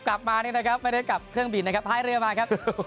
กลับมานี่นะครับไม่ได้กลับเครื่องบินนะครับพายเรือมาครับ